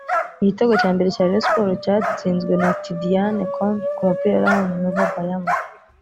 Igitego cya mbere cya Rayon Sports cyatsinzwe na Tidiane Koné ku mupira yari ahawe na Nova Bayama